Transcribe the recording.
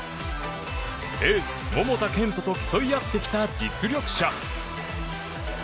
エース桃田賢斗と競い合ってきた実力者。